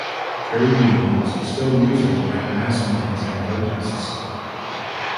Trade unions still use it at mass meetings and protests.